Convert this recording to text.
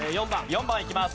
４番いきます。